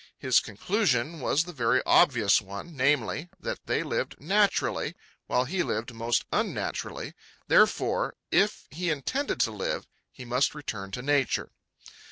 His conclusion was the very obvious one, namely, that they lived naturally, while he lived most unnaturally; therefore, if he intended to live, he must return to nature.